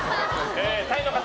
タイの方！